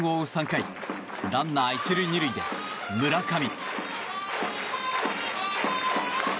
３回ランナー１塁２塁で村上。